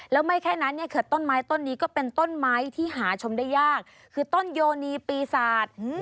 แล้วไม่แค่นั้นเนี่ยเขินต้นไม้ต้นนี้ก็เป็นต้นไม้ที่หาชมได้ยากคือต้นโยนีปีศาจ